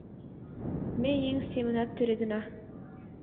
— Ме еҥ семынак тӱредына.